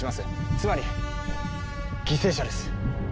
つまり犠牲者です。